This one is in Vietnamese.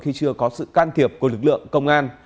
khi chưa có sự can thiệp của lực lượng công an